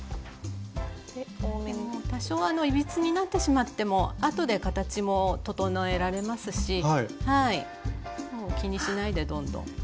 多少いびつになってしまってもあとで形も整えられますしもう気にしないでどんどん。